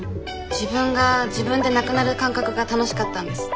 自分が自分でなくなる感覚が楽しかったんです。